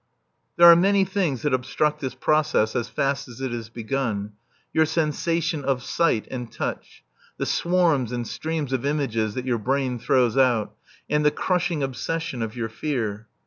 There are many things that obstruct this process as fast as it is begun: your sensation of sight and touch; the swarms and streams of images that your brain throws out; and the crushing obsession of your fear.